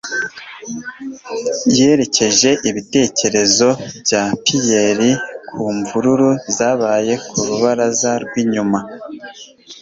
yerekeje ibitekerezo bya Pierre ku mvururu zabaye ku rubaraza rw'inyuma